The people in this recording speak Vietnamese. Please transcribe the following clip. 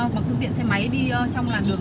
hoặc thương tiện xe máy đi trong làn đường